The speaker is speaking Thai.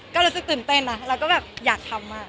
ก็รู้สึกตื่นเต้นนะแล้วก็แบบอยากทำ